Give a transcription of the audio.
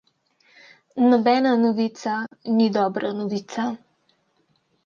Nobena novica ni dobra novica.